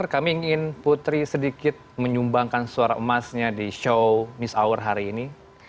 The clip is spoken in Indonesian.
kami ingin putri sedikit menyumbangkan suara emasnya di show mist hour hari ini